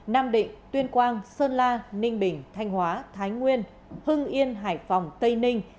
nam định tuyên quang sơn la ninh bình thanh hóa thái nguyên hưng yên hải phòng tây ninh